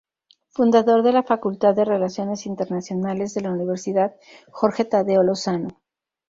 Fundador de la Facultad de Relaciones Internacionales de la Universidad Jorge Tadeo Lozano.